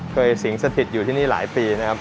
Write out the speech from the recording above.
เคยสิงห์สถิตอยู่ที่นี่หลายปี